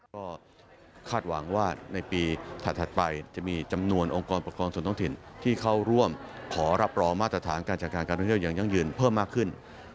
ก็คาดหวังว่าในปีถัดไปจะมีจำนวนองค์กรปกครองส่วนท้องถิ่นที่เข้าร่วมขอรับรองมาตรฐานการจัดการการท่องเที่ยวอย่างยั่งยืนเพิ่มมากขึ้น